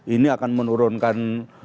ini akan menurunkan